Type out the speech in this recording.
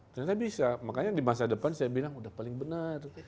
ternyata bisa makanya di masa depan saya bilang udah paling benar